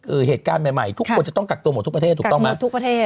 คือเหตุการณ์ใหม่ใหม่ทุกคนจะต้องกักตัวหมดทุกประเทศถูกต้องไหมทุกประเทศ